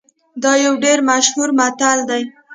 دا یو ډیر مشهور متل دی